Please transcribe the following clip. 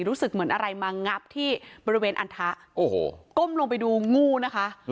รู้สึกเหมือนอะไรมางับที่บริเวณอันทะโอ้โหก้มลงไปดูงูนะคะ